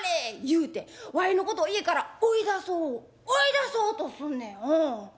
言うてわいのこと家から追い出そう追い出そうとすんねんうん。